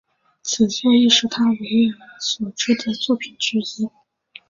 此作亦是他为人所知的作品之一。